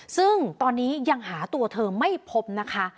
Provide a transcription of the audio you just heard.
ซึ่งตอนนี้ยังหาตัวเธอไม่พบนะคะ